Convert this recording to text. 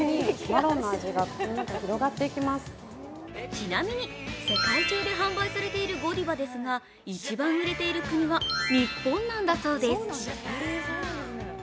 ちなみに、世界中で販売されているＧＯＤＩＶＡですが一番売れているのは日本なんだそうです。